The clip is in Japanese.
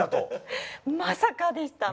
まさかでした！